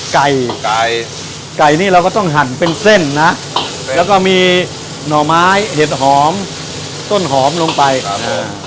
ไก่ไก่นี่เราก็ต้องหั่นเป็นเส้นนะแล้วก็มีหน่อไม้เห็ดหอมต้นหอมลงไปครับผม